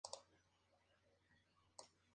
Sirve como escudero del rey Robert Baratheon.